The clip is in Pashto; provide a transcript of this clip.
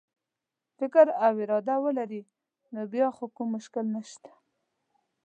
فکر او اراده ولري نو بیا خو کوم مشکل نشته.